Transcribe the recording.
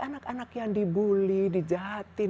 anak anak yang dibuli dijatim